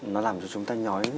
nó làm cho chúng ta nhói